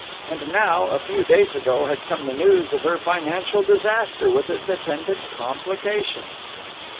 And now, a few days ago, had come the news of her financial disaster, with its attendant complications.